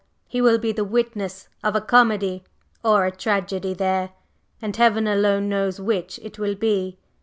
he will be the witness of a comedy or a tragedy there, and Heaven alone knows which it will be!"